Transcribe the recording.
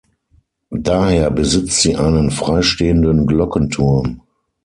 Daher besitzt sie einen freistehenden Glockenturm.